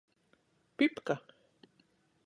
Pipka.